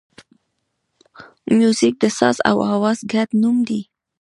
موزیک د ساز او آواز ګډ نوم دی.